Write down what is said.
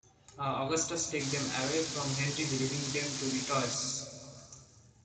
Augustus takes them away from Henry, believing them to be toys.